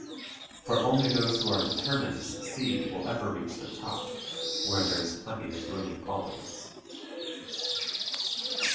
For only those who are determined to succeed will ever reach the top, where there is plenty of room always.